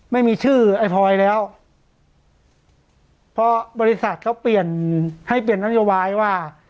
ไม่มีชื่อไอ้พลอยแล้วเพราะบริษัทเขาเปลี่ยนให้เปลี่ยนนโยบายว่า